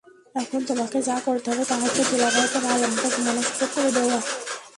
এখন তোমাকে যা করতে হবে তা হচ্ছে, দুলাভাইকে ভালোমতো ঘুমানোর সুযোগ করে দেওয়া।